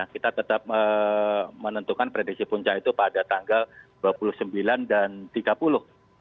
kita tetap menentukan prediksi puncak itu pada tanggal dua puluh sembilan dan tiga puluh